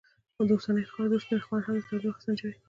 د اوسپنې خاوند هم د تولید وخت سنجوي.